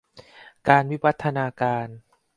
การวิวัฒนาการ